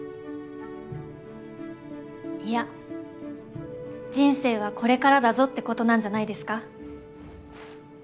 いや人生はこれからだぞってことなんじゃないですか？